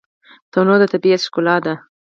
تنوع د طبیعت ښکلا ده.